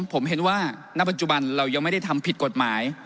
ผมเห็นว่าณปัจจุบันเรายังไม่ได้ทำผิดกฎหมาย